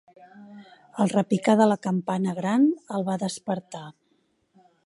El repicar de la campana gran el va despertar.